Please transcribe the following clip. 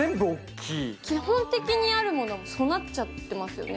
基本的にあるもの、備っちゃってますよね。